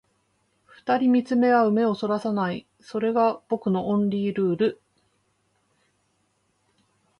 二人見つめ合う目を逸らさない、それが僕のオンリールール